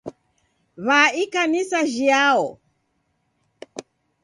Wa ikanisa jhiao?